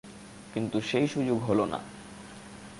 কিন্তু সেই সুযোগ হল না।